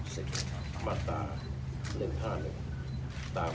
สวัสดีครับ